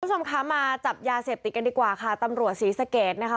คุณผู้ชมคะมาจับยาเสพติดกันดีกว่าค่ะตำรวจศรีสะเกดนะคะ